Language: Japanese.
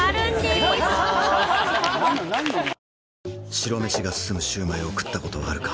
白飯が進むシュウマイを食ったことはあるか？